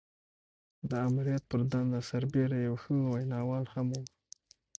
د آمريت پر دنده سربېره يو ښه ويناوال هم و.